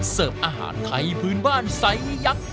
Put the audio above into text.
เสิร์ฟอาหารไทยพื้นบ้านไซส์ยักษ์